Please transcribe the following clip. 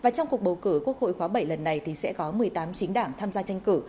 trong cuộc bầu cử quốc hội khóa bảy lần này thì sẽ có một mươi tám chính đảng tham gia tranh cử